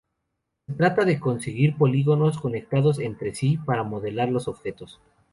Se trata de construir polígonos conectados entre sí para modelar los objetos.